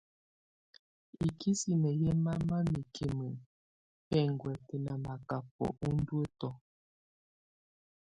Ikisine yɛ mama mikime bɛnguɛtɛ na bakabɔa unduətɔ.